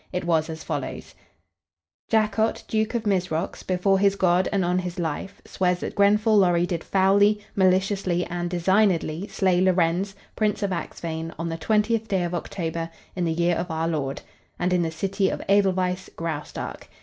It was as follows: "Jacot, Duke of Mizrox, before his God and on his life, swears that Grenfall Lorry did foully, maliciously and designedly slay Lorenz, Prince of Axphain, on the 20th day of October, in the year of our Lord 189 , and in the city of Edelweiss, Graustark.